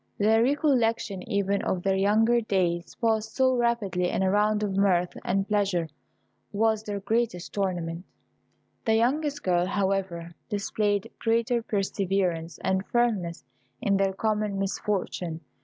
The recollection even of their younger days passed so rapidly in a round of mirth and pleasure was their greatest torment. The youngest girl, however, displayed greater perseverance and firmness in their common misfortune.